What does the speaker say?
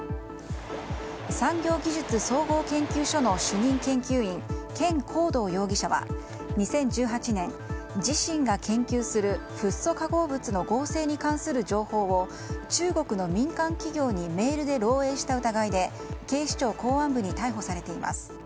産業技術総合研究所の主任研究員ケン・コウドウ容疑者は２０１８年自身が研究するフッ素化合物の合成に関する情報を中国の民間企業にメールで漏洩した疑いで警視庁公安部に逮捕されています。